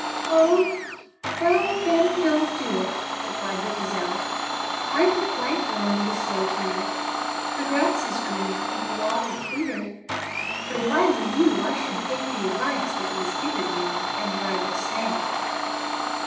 'Oh! well then don't do it,' replied the gazelle, 'I am quite willing to stay here. The grass is green, and the water clear. But if I were you I should take the advice that was given me and ride the snail.